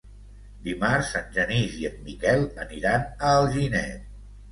Dimarts en Genís i en Miquel aniran a Alginet.